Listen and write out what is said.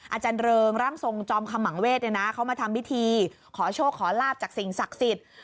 อาจารย์เริงร่างทรงจอมขมังเวศเนี่ยนะเขามาทำพิธีขอโชคขอลาบจากสิ่งศักดิ์สิทธิ์